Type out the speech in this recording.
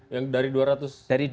yang dari dua ratus daftar itu